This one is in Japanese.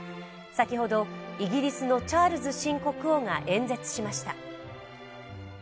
先ほどイギリスのチャールズ新国王が演説しました。